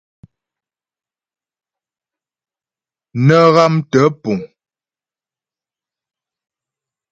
Nə́ ghámtə́ puŋ.